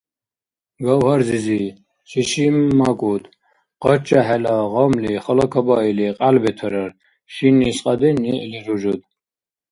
Гавгьар-зизи, шишиммакӀуд. Къача хӀела, гъамли халакабаили, кьял бетарар. Шиннис кьадин ниъли ружуд.